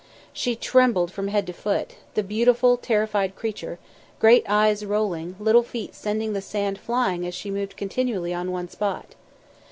She trembled from head to foot, the beautiful terrified creature; great eyes rolling, little feet sending the sand flying as she moved continually on one spot.